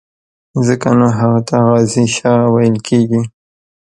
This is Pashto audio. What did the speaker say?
ځکه نو هغه ته غازي شاه ویل کېږي.